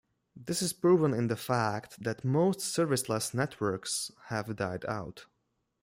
This is proven in the fact that most service-less networks have died out.